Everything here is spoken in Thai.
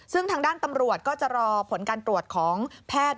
ซึ่งทางด้านตำรวจก็จะรอผลการตรวจของแพทย์